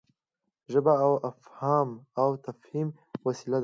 ژبه د افهام او تفهيم وسیله ده.